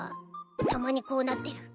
たまにこうなってる。